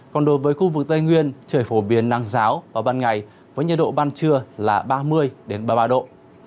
còn đối với khu vực tây nguyên trời phổ biến nắng giáo vào ban ngày với nhiệt độ ban trưa là ba mươi ba mươi ba độ